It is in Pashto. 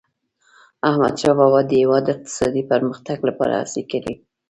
احمدشاه بابا د هیواد د اقتصادي پرمختګ لپاره هڅي کړي.